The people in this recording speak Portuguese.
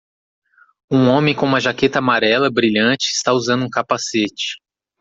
Um homem com uma jaqueta amarela brilhante está usando um capacete.